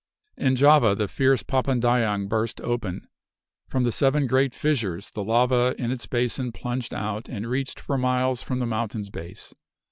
In Java the fierce Papandayang burst open. From the seven great fissures the lava in its basin plunged out and reached for miles from the mountain's base.